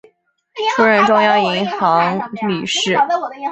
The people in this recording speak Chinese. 出任中央银行理事。